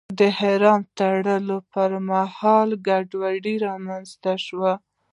د احرام تړلو پر مهال ګډوډي رامنځته شوه.